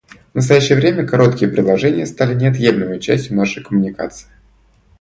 В настоящее время короткие предложения стали неотъемлемой частью нашей коммуникации.